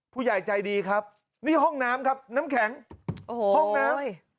ผู้ใหญ่ใจดีครับนี่ห้องน้ำครับน้ำแข็งโอ้โหห้องน้ำ